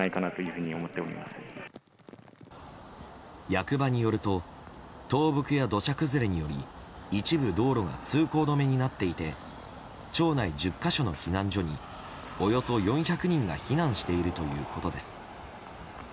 役場によると倒木や土砂崩れにより一部道路が通行止めになっていて町内１０か所の避難所におよそ４００人が避難しているということです。